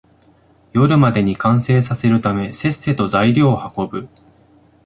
夜までに完成させるため、せっせと材料を運ぶ